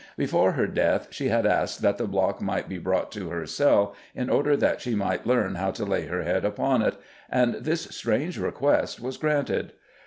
Before her death she had asked that the block might be brought to her cell in order that she might learn how to lay her head upon it, and this strange request was granted.